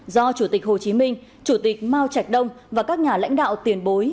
do chủ tịch hồ chí minh chủ tịch mao trạch đông và các nhà lãnh đạo tiền bối